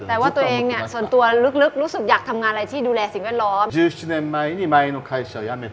แต่ว่าตัวเองส่วนตัวฤกษ์รู้สึกอยากทำงานอะไรที่ดูแลสิทธิ์วัดร้อย